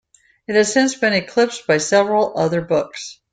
It has since been eclipsed by several other books.